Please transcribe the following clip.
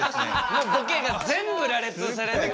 もうボケが全部羅列されてますんで。